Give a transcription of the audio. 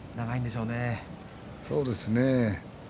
そうですね。